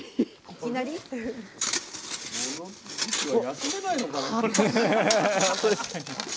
休めないのかね